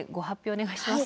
お願いします。